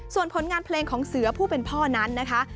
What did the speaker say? ส่วนผลงานเพลงของเสือผู้เป็นพ่อนั้นนะคะ